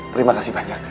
terima kasih banyak